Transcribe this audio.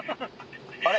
あれ？